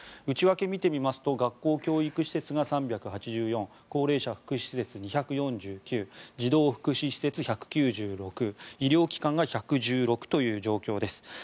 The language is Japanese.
内訳を見てみますと学校・教育施設が３８４高齢者福祉施設、２４９児童福祉施設１９６医療機関が１１６という状況です。